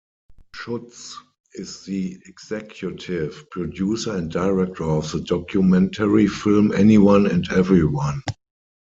Schutz is the executive producer and director of the documentary film Anyone and Everyone.